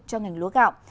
cho ngành lúa gạo